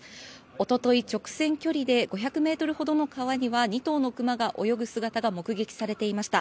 おととい、直線距離で５００ｍほどの川には２頭のクマが泳ぐ姿が目撃されていました。